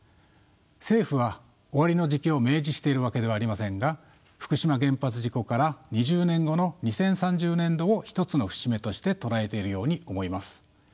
政府は終わりの時期を明示しているわけではありませんが福島原発事故から２０年後の２０３０年度を一つの節目として捉えているように思います。